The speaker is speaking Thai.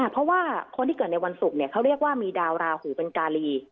เพราะว่าคนที่เกิดในวันศุกร์เขาเรียกว่ามีดาวราหูเป็นกาลี